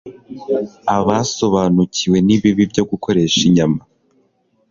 Abasobanukiwe n’ibibi byo gukoresha inyama,